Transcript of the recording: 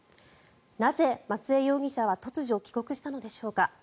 なぜ松江容疑者は突如、帰国したのでしょうか。